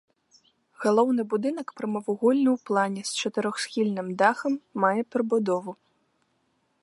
Галоўны будынак прамавугольны ў плане, з чатырохсхільным дахам, мае прыбудову.